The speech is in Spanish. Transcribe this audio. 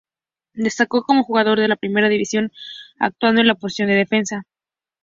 Destacó como jugador de Primera División actuando en la posición de defensa.